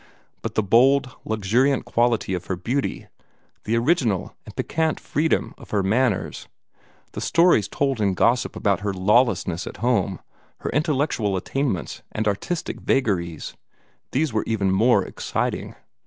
But the bold, luxuriant quality of her beauty, the original and piquant freedom of her manners, the stories told in gossip about her lawlessness at home, her intellectual attainments, and artistic vagaries these were even more exciting.